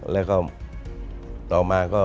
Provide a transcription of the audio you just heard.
แล้วก็ต่อมาก็